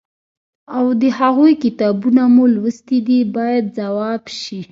او د هغوی کتابونه مو لوستي دي باید ځواب شي.